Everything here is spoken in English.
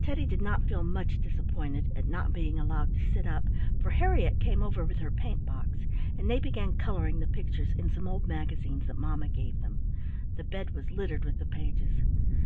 Teddy did not feel much disappointed at not being allowed to sit up, for Harriett came over with her paint box, and they began coloring the pictures in some old magazines that mamma gave them; the bed was littered with the pages.